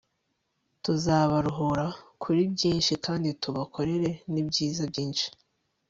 tuzabaruhura kuri byinshi kandi tubakorere n'ibyiza byinshi